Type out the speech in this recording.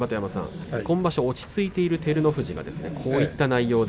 今場所落ち着いていますね照ノ富士。